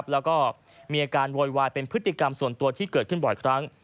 แล้วก็มีอาการโวยวายเป็นพฤติกรรมส่วนตัวที่เกิดขึ้นบ่อยครั้ง